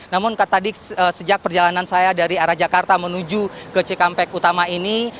namun tadi sejak perjalanan saya dari arah jakarta menuju ke cikampek utama ini